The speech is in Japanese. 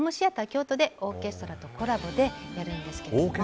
京都でオーケストラとコラボでやるんです。